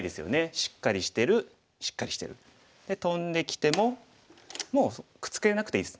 しっかりしてるしっかりしてる。でトンできてももうくっつけなくていいです。